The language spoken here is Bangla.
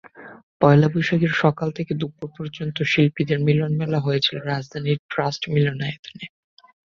পয়লা বৈশাখের সকাল থেকে দুপুর পর্যন্ত শিল্পীদের মিলনমেলা হয়েছিল রাজধানীর ট্রাস্ট মিলনায়তনে।